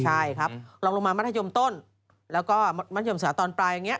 ใช่ครับลองลงมามต้นแล้วก็มสตรปลายอย่างเนี่ย